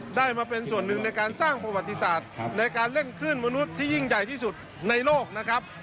ได้มาเป็นส่วนหนึ่งในการสร้างประวัติศาสตร์ในการเล่นคลื่นมนุษย์ที่ยิ่งใหญ่ที่สุดในโลกนะครับ